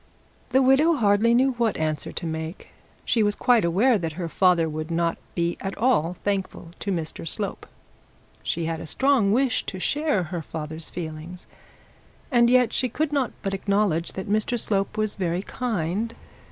The widow hardly knew what answer to make. She was quite aware that her father would not be at all thankful to Mr Slope; she had a strong wish to share her father's feelings; and yet she could not but acknowledge that Mr Slope was very kind.